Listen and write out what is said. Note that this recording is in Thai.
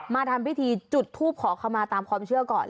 มาทำพิธีจุดทูปขอขมาตามความเชื่อก่อน